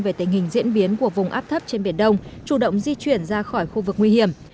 về tình hình diễn biến của vùng áp thấp trên biển đông chủ động di chuyển ra khỏi khu vực nguy hiểm